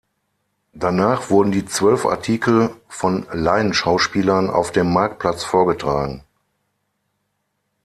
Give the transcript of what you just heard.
Danach wurden die Zwölf Artikel von Laienschauspielern auf dem Marktplatz vorgetragen.